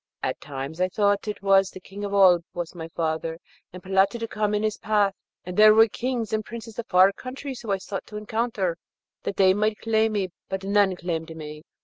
At times I thought that it was the King of Oolb was my father, and plotted to come in his path; and there were kings and princes of far countries whom I sought to encounter, that they might claim me; but none claimed me.